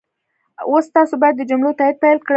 اوس تاسو باید د جملو تایید پيل کړئ.